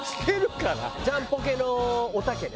ジャンポケのおたけね。